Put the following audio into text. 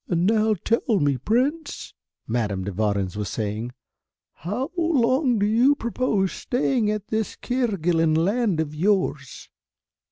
"Now tell me, Prince," Madame de Warens was saying, "how long do you propose staying at this Kerguelen Land of yours?"